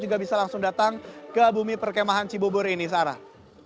juga bisa langsung datang ke bumi perkemahan cibobor ini sarah